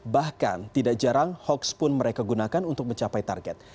bahkan tidak jarang hoax pun mereka gunakan untuk mencapai target